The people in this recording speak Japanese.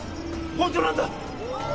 本当なんだ！